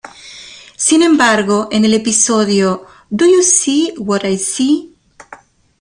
Sin embargo, en el episodio "Do You See What I See?